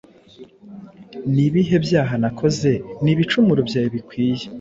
Ni ibihe byaha nakoze ni ibicumuro byawe bikwiye.